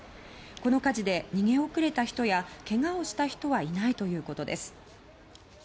この火事で逃げ遅れた人やけがをした人はいないということです。